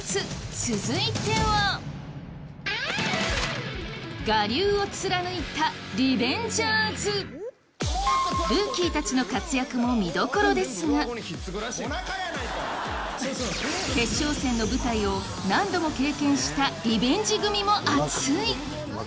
続いてはルーキーたちの活躍も見どころですが決勝戦の舞台を何度も経験したリベンジ組も熱い！